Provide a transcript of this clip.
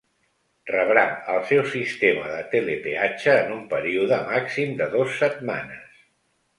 Rebrà el seu sistema de telepeatge en un període màxim de dos setmanes.